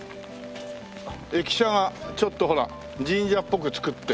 駅舎がちょっとほら神社っぽく造って。